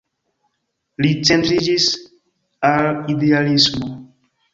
Li centriĝis al idealismo.